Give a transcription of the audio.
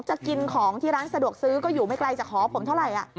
จะกินของที่ร้านสะดวกซื้อก็อยู่ไม่ไกลจากหอผมเท่าไหร่